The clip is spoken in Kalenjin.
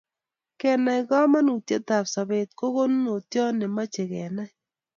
kenai komonutietab sobeet ko konunotioot nemochei keenai